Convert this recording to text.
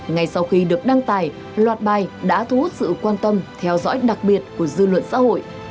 ngay sau khi được đăng tải loạt bài đã thu hút sự quan tâm theo dõi đặc biệt của dư luận xã hội